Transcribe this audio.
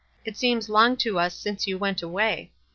It seems long to us since you went away.